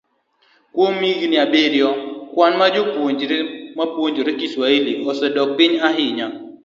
Kuom higini abiriyo, kwan mar jopuonjre mapuonjore Kiswahili osedok piny ahinya